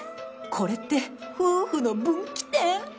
これって、夫婦の分岐点？